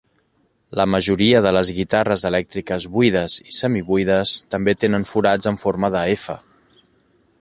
La majoria de les guitarres elèctriques buides i semi-buides també tenen forats en forma de F.